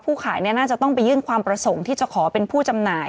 ขายน่าจะต้องไปยื่นความประสงค์ที่จะขอเป็นผู้จำหน่าย